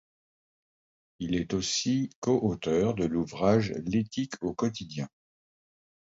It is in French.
Il est aussi coauteur de l’ouvrage L’éthique au quotidien.